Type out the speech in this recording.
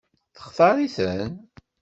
Textaṛ-iten?